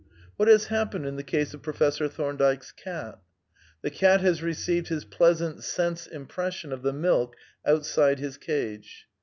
What has happened in the case of Professor Thomdike's cat? The cat has received his pleasant sense impression of the milk outside his cage.